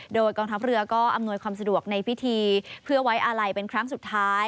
โดยกองทัพเรือก็อำนวยความสะดวกในพิธีเพื่อไว้อาลัยเป็นครั้งสุดท้าย